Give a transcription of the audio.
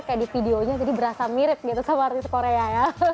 kayak di videonya jadi berasa mirip gitu sama artis korea ya